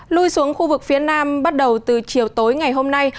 lui xuống khu vực phía nam bắt đầu từ chiều tối ngày hôm nay